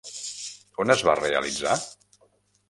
On es va realitzar?